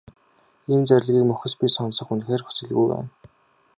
Ийм зарлигийг мөхөс би сонсох үнэхээр хүсэлгүй байна.